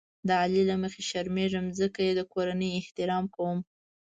د علي له مخې شرمېږم ځکه یې د کورنۍ احترام کوم.